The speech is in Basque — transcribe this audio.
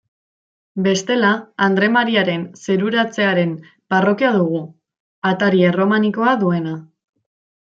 Bestela Andre Mariaren Zeruratzearen parrokia dugu, atari erromanikoa duena.